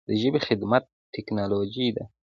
د ژبې خدمت ټکنالوژي ده.